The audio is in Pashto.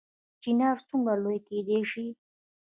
چنار څومره لوی کیدی شي؟